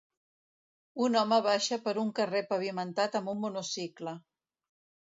Un home baixa per un carrer pavimentat amb un monocicle